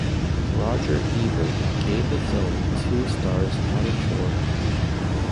Roger Ebert gave the film two stars out of four.